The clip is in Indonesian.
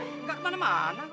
nggak ke mana mana